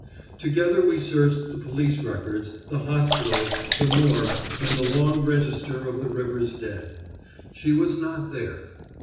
Together we searched the police records, the hospitals, the morgue, and the long register of the river's dead. She was not there.